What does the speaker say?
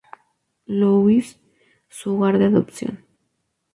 Louis, su hogar de adopción.